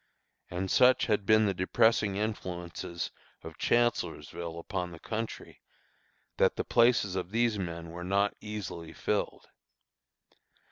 And such had been the depressing influences of Chancellorsville upon the country, that the places of these men were not very easily filled.